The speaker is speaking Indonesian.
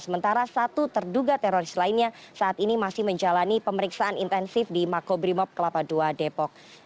sementara satu terduga teroris lainnya saat ini masih menjalani pemeriksaan intensif di makobrimob kelapa dua depok